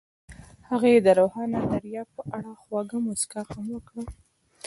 هغې د روښانه دریاب په اړه خوږه موسکا هم وکړه.